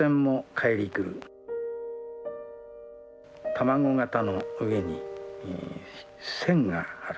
卵形の上に線がある。